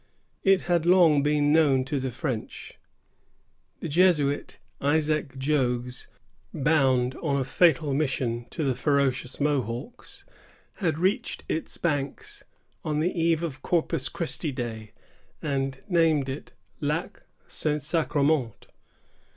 It had long been known to the French. The Jesuit Isaac Jogues, bound on a fatal mission to the ferocious Mohawks, had reached its banks on the eve of Corpus Christi Day, and named it Lac St. Sacrement.